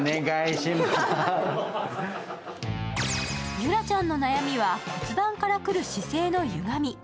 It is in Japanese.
ゆらちゃんの悩みは骨盤からくる姿勢の歪み。